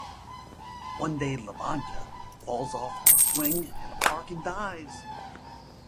One day, Lavanya falls off the swing in a park and dies.